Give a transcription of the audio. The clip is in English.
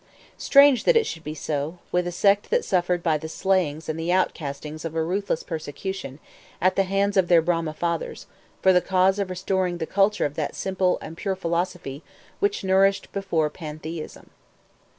Strange that it should be so, with a sect that suffered by the slayings and the outcastings of a ruthless persecution, at the hands of their Brahmin fathers, for the cause of restoring the culture of that simple and pure philosophy which nourished before pantheism!